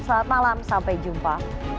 selamat malam sampai jumpa